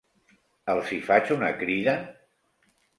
Els hi faig una crida?